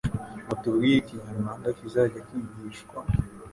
mutubwire ikinyarwanda kizajya kigishwa